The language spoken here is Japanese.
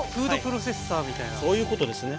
そういうことですね。